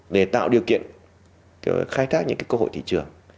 để tạo điều kiện khai thác những cơ hội thị trường